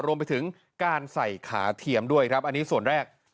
รวมไปถึงการใส่ขาเทียมด้วยครับอันนี้ส่วนแรก